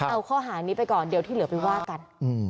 เอาข้อหานี้ไปก่อนเดี๋ยวที่เหลือไปว่ากัน